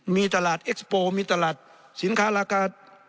มีตลาดเอ็กซ์โปร์มีตลาดสินค้าราคา